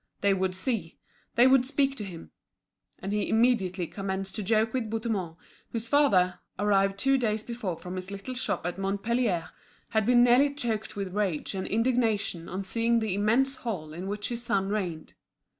They would see, they would speak to him. And he immediately commenced to joke with Bouthemont, whose father, arrived two days before from his little shop at Montpellier, had been nearly choked with rage and indignation on seeing the immense hall in which his son reigned.